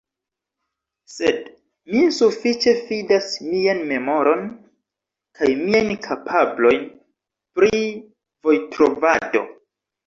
Sed mi sufiĉe fidas mian memoron kaj miajn kapablojn pri vojtrovado.